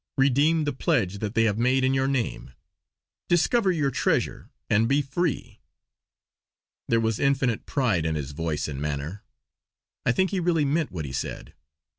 Redeem the pledge that they have made in your name! Discover your treasure; and be free!'" There was infinite pride in his voice and manner; I think he really meant what he said.